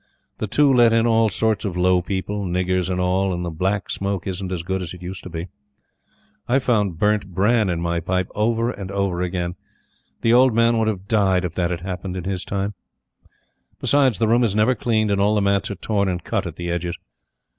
The two let in all sorts of low people, niggers and all, and the Black Smoke isn't as good as it used to be. I've found burnt bran in my pipe over and over again. The old man would have died if that had happened in his time. Besides, the room is never cleaned, and all the mats are torn and cut at the edges.